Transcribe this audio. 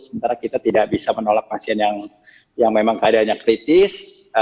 sementara kita tidak bisa menolak pasien yang memang keadaannya kritis